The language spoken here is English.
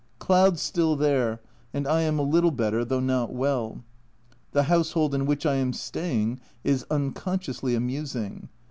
Clouds still there ; and I am a little better though not well. The household in which I am staying is unconsciously amusing.